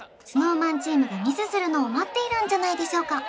ＳｎｏｗＭａｎチームがミスするのを待っているんじゃないでしょうか